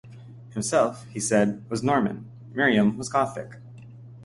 Himself, he said, was Norman, Miriam was Gothic.